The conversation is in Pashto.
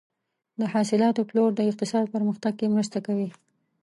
د حاصلاتو پلور د اقتصاد پرمختګ کې مرسته کوي.